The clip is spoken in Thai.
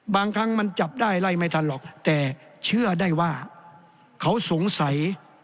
บางครั้งมันจับได้ไล่ไม่ทันหรอกแต่เชื่อได้ว่าเขาสงสัย